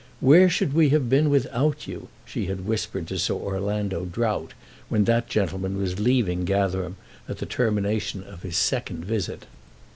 "Where should we have been without you?" she had whispered to Sir Orlando Drought when that gentleman was leaving Gatherum at the termination of his second visit.